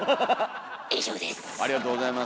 以上です。